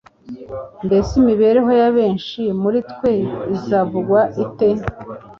mbese imibereho ya benshi muri twe izavugwa ite?